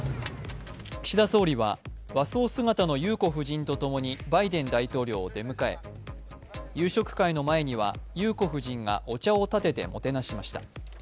岸田総理は和装姿の裕子夫人と共にバイデン大統領を出迎え、夕食会の前には裕子夫人がお茶をたててもてなしました。